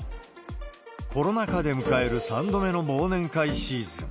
コロナ禍で迎える３度目の忘年会シーズン。